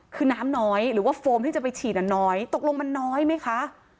คือน้ำน้อยหรือว่าโฟมที่จะไปฉีดน้อยตกลงมันน้อยไหมคะ